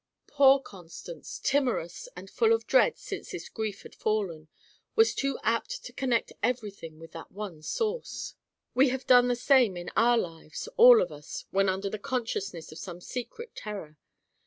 Poor Constance, timorous and full of dread since this grief had fallen, was too apt to connect everything with that one source. We have done the same in our lives, all of us, when under the consciousness of some secret terror.